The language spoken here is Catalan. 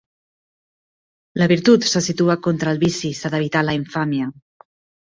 La "virtut" se situa contra el "vici", s'ha d'evitar la "infàmia".